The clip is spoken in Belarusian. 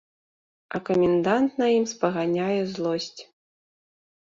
А камендант на ім спаганяе злосць.